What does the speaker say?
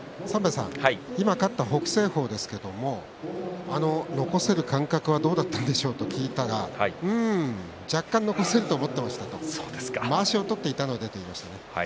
今、勝った北青鵬ですが残せる感覚はどうだったんでしょう、と聞きましたらうーん、若干残せると思っていましたとまわしを取っていたので、と言っていました。